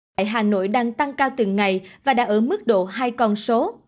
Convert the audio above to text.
tại hà nội đang tăng cao từng ngày và đã ở mức độ hai con số